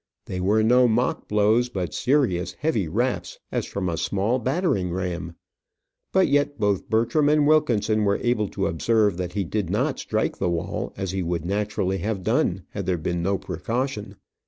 They were no mock blows, but serious, heavy raps, as from a small battering ram. But yet both Bertram and Wilkinson were able to observe that he did not strike the wall, as he would naturally have done had there been no precaution.